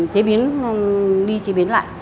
chế biến đi chế biến lại